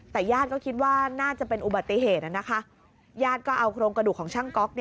แต่ญาติก็คิดว่าน่าจะเป็นอุบัติเหตุนะคะญาติก็เอาโครงกระดูกของช่างก๊อก